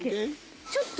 ちょっと。